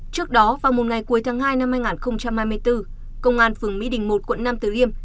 trước đó vào một ngày cuối tháng hai năm hai nghìn hai mươi bốn công an phường mỹ đình một quận nam tử liêm